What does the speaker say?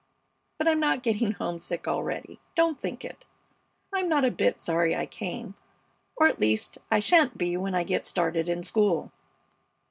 But I'm not getting homesick already; don't think it. I'm not a bit sorry I came, or at least I sha'n't be when I get started in school.